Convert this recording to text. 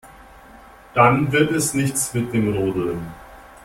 Dann wird es nichts mit dem Rodeln.